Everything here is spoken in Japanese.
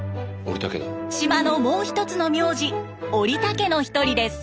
島のもう一つの名字オリタ家の一人です。